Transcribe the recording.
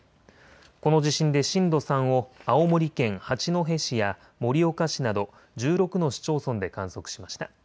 この地震で震度３を青森県八戸市や盛岡市など１６の市町村で観測しました。